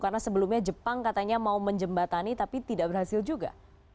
karena sebelumnya jepang katanya mau menjembatani tapi tidak berhasil juga